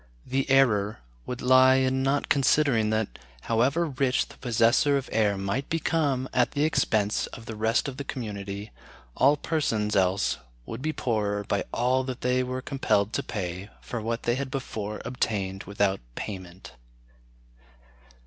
The error would lie in not considering that, however rich the possessor of air might become at the expense of the rest of the community, all persons else would be poorer by all that they were compelled to pay for what they had before obtained without payment.